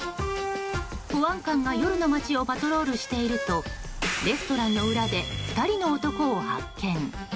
保安官が夜の街をパトロールしているとレストランの裏で２人の男を発見。